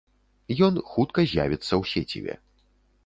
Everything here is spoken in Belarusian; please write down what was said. Ён хутка з'явіцца ў сеціве.